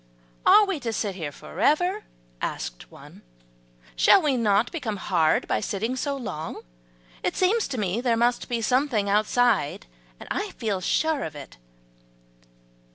"Are we to sit here forever?" asked one; "shall we not become hard by sitting so long? It seems to me there must be something outside, and I feel sure of it."